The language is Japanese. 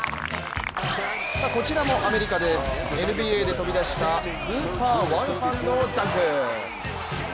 こちらもアメリカです、ＮＢＡで飛び出したスーパーワンハンドダンク。